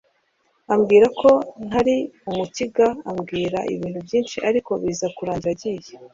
ambwira ko ntari umukiga ambwira ibintu byinshi ariko biza kurangira agiye